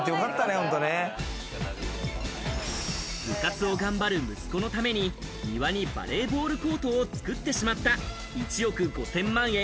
部活を頑張る息子のために庭にバレーボールコートを作ってしまった１億５０００万円